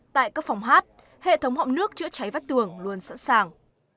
tại các phòng hát hệ thống họng nước chữa cháy vách tường luôn sẵn sàng